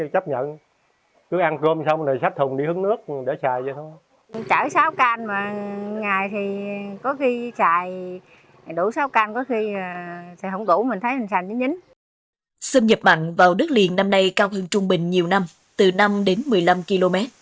xâm nhập mạnh vào đất liền năm nay cao hơn trung bình nhiều năm từ năm đến một mươi năm km